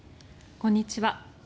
こんにちは。